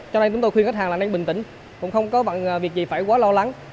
cho nên chúng tôi khuyên khách hàng là nên bình tĩnh cũng không có việc gì phải quá lo lắng